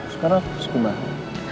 sekarang aku harus gimana